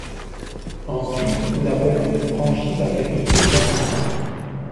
Ensuite, la voiture franchit la grille de sa maison.